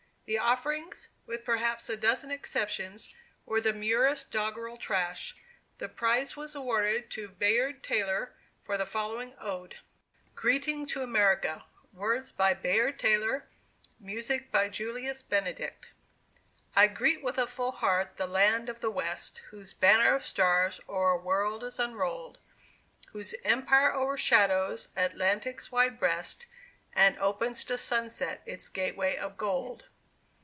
The "offerings," with perhaps a dozen exceptions, were the merest doggerel trash. The prize was awarded to Bayard Taylor for the following ode: GREETING TO AMERICA. WORDS BY BAYARD TAYLOR MUSIC BY JULIUS BENEDICT. I greet with a full heart the Land of the West, Whose Banner of Stars o'er a world is unrolled; Whose empire o'ershadows Atlantic's wide breast, And opens to sunset its gateway of gold!